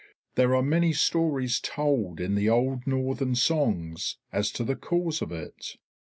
There are many stories told in the old Northern Songs as to the cause of it.